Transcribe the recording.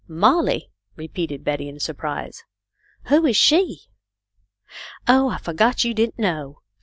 " Molly !" repeated Betty, in surprise. " Who is she?" " Oh, I forgot you didn't know.